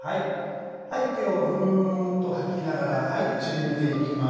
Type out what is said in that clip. はい息をフーッと吐きながら縮めていきます。